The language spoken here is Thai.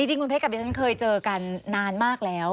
จริงคุณเพชรกับดิฉันเคยเจอกันนานมากแล้ว